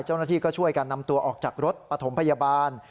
เจ้าหน้าที่ก็ช่วยกันนำตัวออกจากรถปฐมพยาบาล